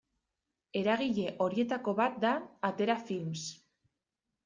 Eragile horietako bat da Atera Films.